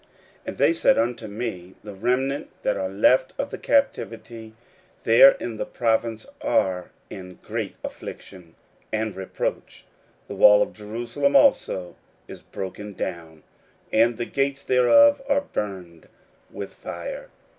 16:001:003 And they said unto me, The remnant that are left of the captivity there in the province are in great affliction and reproach: the wall of Jerusalem also is broken down, and the gates thereof are burned with fire.